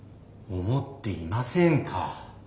思っていませんか。